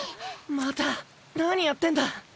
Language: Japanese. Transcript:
また何やってんだ！